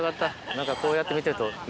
何かこうやって見てると。